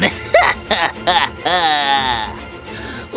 wow betapa mudahnya memanggil kalian ke sini